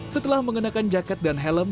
setelah mengenakan jaket dan helm